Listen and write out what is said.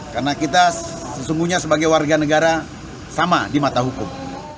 karena kita sesungguhnya sebagai warga negara sama di mata hukum